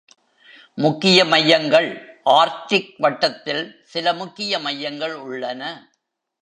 முக்கிய மையங்கள் ஆர்க்டிக் வட்டத்தில் சில முக்கிய மையங்கள் உள்ளன.